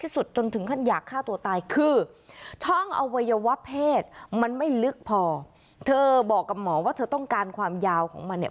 จนถึงขั้นอยากฆ่าตัวตายคือช่องอวัยวะเพศมันไม่ลึกพอเธอบอกกับหมอว่าเธอต้องการความยาวของมันเนี่ย